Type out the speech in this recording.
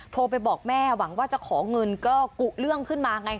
โทรไปบอกแม่หวังว่าจะขอเงินก็กุเรื่องขึ้นมาไง